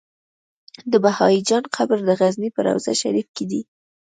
د بهايي جان قبر د غزنی په روضه شريفه کی دی